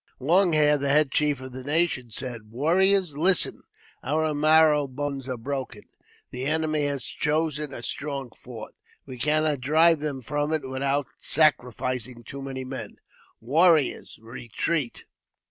Long Hair, the head chief of the nation, said, " Warriors, listen ! Our marrow bones are broken ; the enemy has chosen a strong fort ; we cannot drive them from it without sacrificing too many men. Warriors, retreat